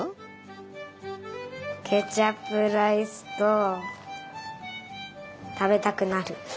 ケチャップライスとたべたくなる。